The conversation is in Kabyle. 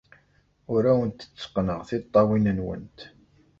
Ur awent-tteqqneɣ tiṭṭawin-nwent.